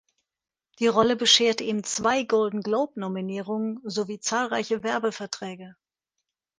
Die Rolle bescherte ihm zwei Golden-Globe-Nominierungen, sowie zahlreiche Werbeverträge.